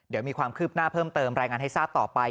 เดี๋ยวมีความคืบหน้าเพิ่มเติมรายงานให้ทราบต่อไป